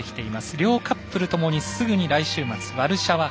両カップルともにすぐに来週末ワルシャワ杯。